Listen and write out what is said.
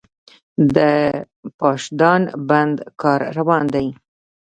د پاشدان بند کار روان دی؟